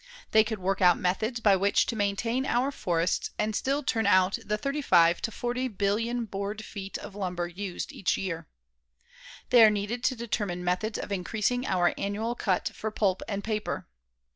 They could work out methods by which to maintain our forests and still turn out the thirty five to forty billion board feet of lumber used each year. They are needed to determine methods of increasing our annual cut for pulp and paper.